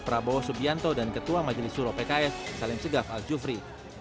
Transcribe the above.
prabowo subianto dan ketua majelis suro pks salim segaf al jufri